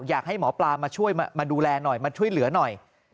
อยากให้หมอปลามาช่วยมาดูแลหน่อยมาช่วยเหลือหน่อย